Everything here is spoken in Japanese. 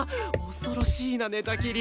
恐ろしいな寝たきり